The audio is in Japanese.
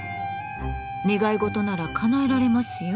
願い事ならかなえられますよ。